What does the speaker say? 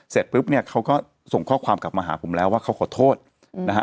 เสร็จปุ๊บเนี่ยเขาก็ส่งข้อความกลับมาหาผมแล้วว่าเขาขอโทษนะฮะ